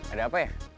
ada apa ya